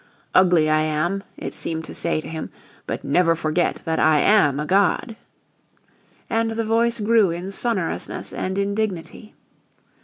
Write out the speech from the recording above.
"Ugly I am," it seemed to say to him, "but never forget that I AM a god!" And the voice grew in sonorousness and in dignity.